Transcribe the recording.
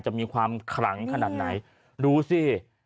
จะมีความขลังขนาดไหนดูสิ